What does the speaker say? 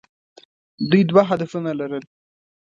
دوی دوه هدفونه لرل.